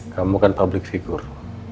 kamu kan public figure